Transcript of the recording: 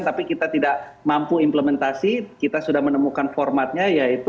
tapi kita tidak mampu implementasi kita sudah menemukan formatnya yaitu